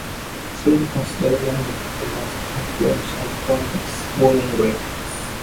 She is considered one of the most influential Burmese women writers.